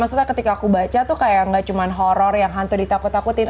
maksudnya ketika aku baca tuh kayak gak cuma horror yang hantu ditakut takutin